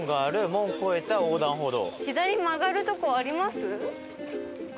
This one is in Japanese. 門を越えた横断歩道。